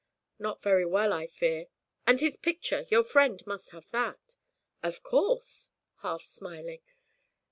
'Not very well, I fear.' 'And his picture? Your friend must have that?' 'Of course,' half smiling.